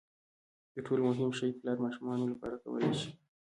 تر ټولو مهم شی پلار ماشومانو لپاره کولای شي.